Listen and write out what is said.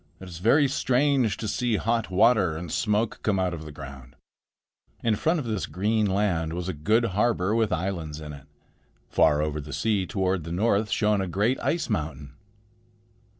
"It is very strange to see hot water and smoke come out of the ground." In front of this green land was a good harbor with islands in it. Far over the sea toward the north shone a great ice mountain.